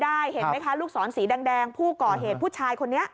เห็นไหมคะลูกศรสีแดงผู้ก่อเหตุผู้ชายคนนี้